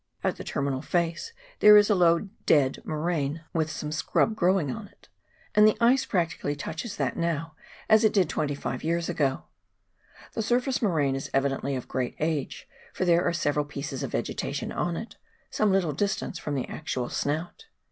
At the terminal face there is a low " dead" moraine with some scrub * See Appendix, Note VII. GLACIER OBSERVATION. 307 growing on it, and the ice practically touches that now, as it did twenty five years ago. The surface moraine is evidently of great age, for there are several pieces of vegetation on it, some little distance from the actual " snout."